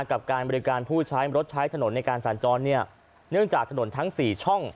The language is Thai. กับการบริการผู้ใช้รถใช้ถนนในการสัญจรเนี่ยเนื่องจากถนนทั้งสี่ช่อง